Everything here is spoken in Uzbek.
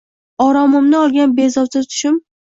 Oromimni olgan bezovta tushim